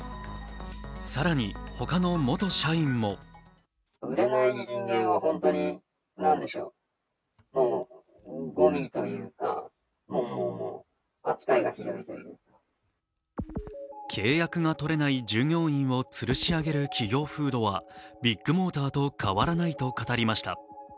更に他の元社員も契約が取れない従業員をつるし上げる企業風土はビッグモーターと変わらないと語りました